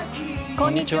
こんにちは。